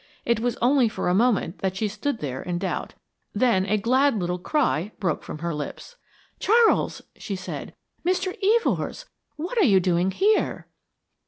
It was only for a moment that she stood there in doubt; then a glad little cry broke from her lips. "Charles," she said. "Mr. Evors, what are you doing here?"